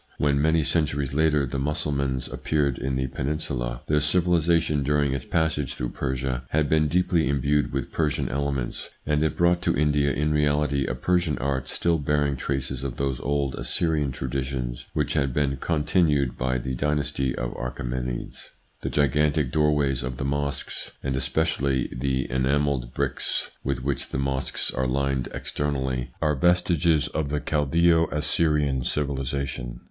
When, many centuries later, the Mussulmans appeared in the peninsula, their civilisation, during its passage through Persia, had been deeply imbued with Persian elements ; and it brought to India in reality a Persian art still bearing traces of those old Assyrian traditions which had been continued by the dynasty of Achsemenides. The gigantic door ways of the mosques, and especially the enamelled bricks with which the mosques are lined externally, are vestiges of the Chaldseo Assyrian civilisation.